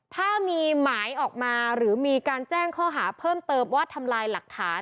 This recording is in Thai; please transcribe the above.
ถ้ามีหมายออกมาหรือมีการแจ้งข้อหาเพิ่มเติมว่าทำลายหลักฐาน